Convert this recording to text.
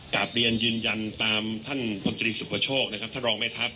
กลับเรียนยืนยันตามท่านพลตรีสุประโชคนะครับท่านรองแม่ทัพ